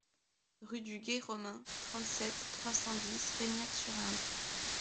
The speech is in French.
Rue du Gué Romain, trente-sept, trois cent dix Reignac-sur-Indre